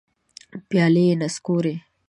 پیالي نسکوري